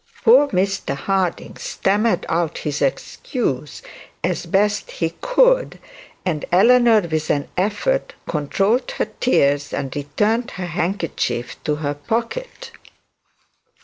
Poor Mr Harding stammered out his excuse as best he could, and Eleanor with an effort controlled her tears, and returned her handkerchief to her pocket.